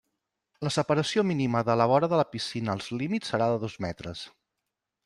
La separació mínima de la vora de la piscina als límits serà de dos metres.